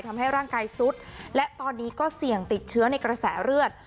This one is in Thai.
ทำให้ร่างกายซุดและตอนนี้ก็เสี่ยงติดเชื้อในกระแสเลือด